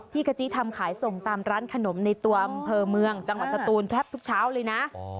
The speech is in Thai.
กะจิทำขายส่งตามร้านขนมในตัวอำเภอเมืองจังหวัดสตูนแทบทุกเช้าเลยนะ